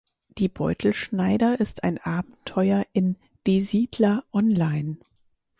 Die Beutelschneider ist ein Abenteuer in "Die Siedler Online".